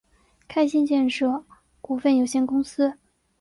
开心建设股份有限公司